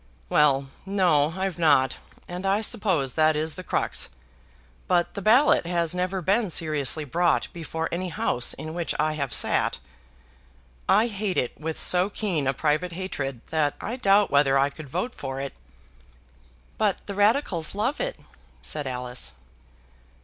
"Well; no, I've not. And I suppose that is the crux. But the ballot has never been seriously brought before any House in which I have sat. I hate it with so keen a private hatred, that I doubt whether I could vote for it." "But the Radicals love it," said Alice.